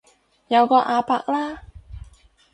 有個阿伯啦